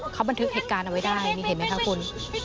เขาบันทึกเหตุการณ์เอาไว้ได้นี่เห็นไหมคะคุณ